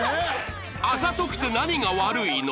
『あざとくて何が悪いの？』